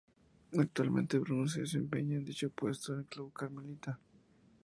Actualmente Bruno se desempeña en dicho puesto en el club Carmelita.